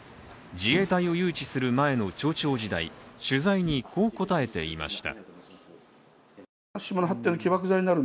自衛隊を誘致する前の町長時代、取材にこう答えていました。